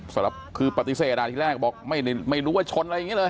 สำหรับคือปฏิเสธที่แรกบอกไม่รู้ว่าชนอะไรอย่างนี้เลย